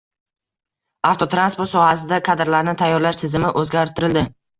Avtotransport sohasida kadrlarni tayyorlash tizimi o‘zgartirildi